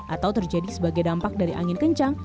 atau terjadi sebagai dampak dari angin kencang